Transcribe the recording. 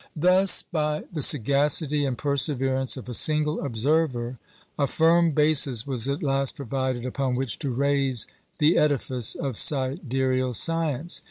Thus, by the sagacity and perseverance of a single observer, a firm basis was at last provided upon which to raise the edifice of sidereal science.